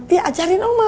iya ajarin oma